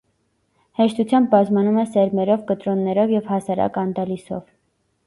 Հեշտությամբ բազմանում է սերմերով, կտրոններով և հասարակ անդալիսով։